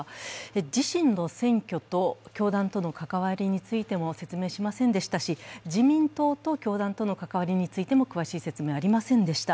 自身の選挙と教団との関わりについても説明しませんでしたし、自民党と教団との関わりについても説明がありませんでした。